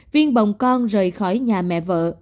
viên bồng con rời khỏi nhà mẹ vợ